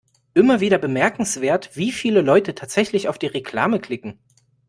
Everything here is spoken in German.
Immer wieder bemerkenswert, wie viele Leute tatsächlich auf die Reklame klicken.